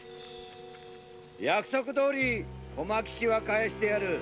約束どおり駒吉は返してやる。